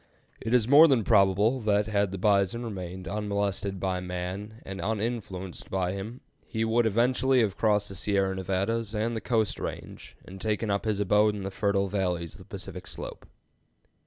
It is more than probable that had the bison remained unmolested by man and uninfluenced by him, he would eventually have crossed the Sierra Nevadas and the Coast Range and taken up his abode in the fertile valleys of the Pacific slope.